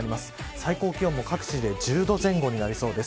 最高気温も各地で１０度前後になりそうです。